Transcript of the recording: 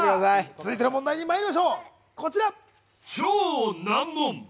続いての問題にまいりましょう。